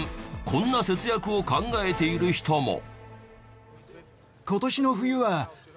こんな節約を考えている人も。